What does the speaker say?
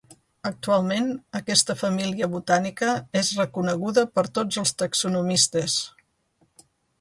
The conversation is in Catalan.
Actualment aquesta família botànica és reconeguda per tots els taxonomistes.